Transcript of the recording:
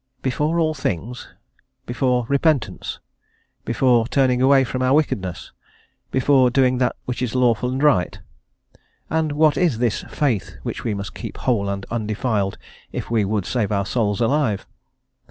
"Before all things?" before repentance? before turning away from our wickedness? before doing that which is lawful and right? And what is this "Faith" which we must keep whole and undefiled if we would save our souls alive?